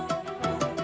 nih aku tidur